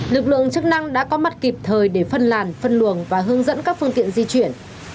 lực lượng chức năng đã có mặt kịp thời để phân làn phân luồng và hướng dẫn các phương tiện di chuyển